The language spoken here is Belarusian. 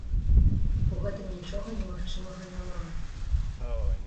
У гэтым нічога немагчымага няма!